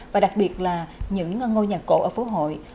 và đặc biệt là những ngôi nhà cổ ở phố hội